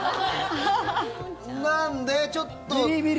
なんで、ちょっと。